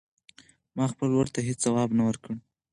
ما خپل ورور ته هېڅ ځواب ورنه کړ.